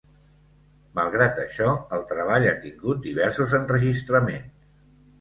Malgrat això, el treball ha tingut diversos enregistraments.